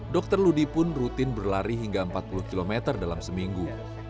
dokter ludi pun rutin berlari hingga empat puluh km dalam seminggu